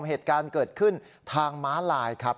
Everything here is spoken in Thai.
เหตุการณ์เกิดขึ้นทางม้าลายครับ